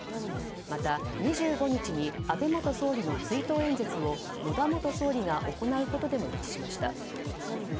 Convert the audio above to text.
また、２５日に安倍元総理の追悼演説を野田元総理が行うことでも一致しました。